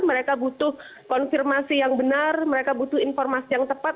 mereka butuh konfirmasi yang benar mereka butuh informasi yang tepat